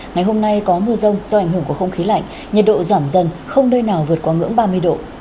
ngày hôm nay có mưa rông do ảnh hưởng của không khí lạnh nhiệt độ giảm dần không nơi nào vượt qua ngưỡng ba mươi độ